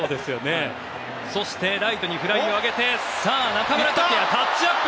ライトフライを上げて中村剛也、タッチアップ！